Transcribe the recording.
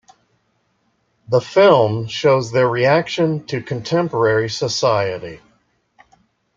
The film shows their reaction to contemporary society.